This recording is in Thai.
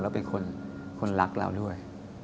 แล้วเป็นคนรักเราด้วย